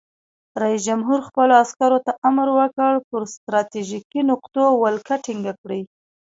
رئیس جمهور خپلو عسکرو ته امر وکړ؛ پر ستراتیژیکو نقطو ولکه ټینګه کړئ!